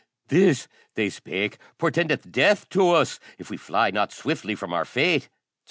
"This," they spake, "portendeth death to us, If we fly not swiftly from our fate!"